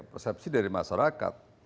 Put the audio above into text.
persepsi dari masyarakat